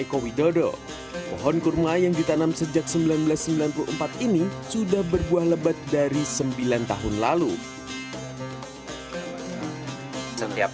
eko widodo pohon kurma yang ditanam sejak seribu sembilan ratus sembilan puluh empat ini sudah berbuah lebat dari sembilan tahun lalu setiap